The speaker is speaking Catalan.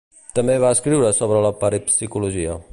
També va escriure sobre la parapsicologia.